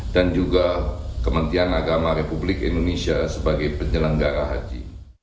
dan juga kementian agama republik indonesia sebagai penyelenggara haji